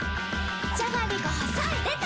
じゃがりこ細いでた‼